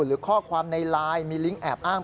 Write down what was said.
หรือข้อความในไลน์มีลิงก์แอบอ้าง